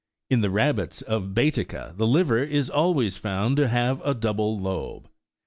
In the rabbits of Bsetica, the liver is always found to have a double lobe.